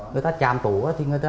người ta chàm tủ thì người ta